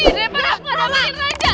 daripada aku nganasin raja